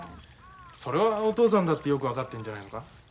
それはお父さんだってよく分かってんじゃないのか？